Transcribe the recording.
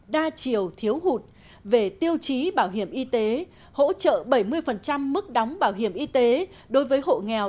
đa chiều thiếu hụt về tiêu chí bảo hiểm y tế hỗ trợ bảy mươi mức đóng bảo hiểm y tế đối với hộ nghèo